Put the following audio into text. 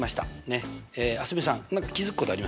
蒼澄さん何か気付くことありませんか？